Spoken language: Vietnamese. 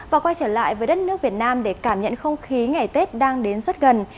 và quay trở lại với đất nước việt nam để cảm nhận không khí ngày tết đang đến rất gần